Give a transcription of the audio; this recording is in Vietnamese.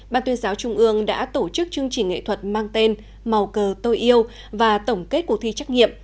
ban tuyên giáo trung ương đã tổ chức chương trình nghệ thuật mang tên màu cờ tôi yêu và tổng kết cuộc thi trắc nghiệm